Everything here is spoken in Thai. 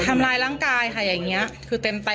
ทำลายร่างกายค่ะอย่างเงี้ยคือเต็มค่ะ